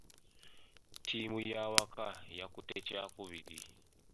Ttiimu y'awaka yakutte kyakubiri.